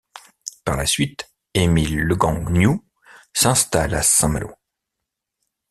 Par la suite, Émile Legangnoux s'installe à Saint-Malo.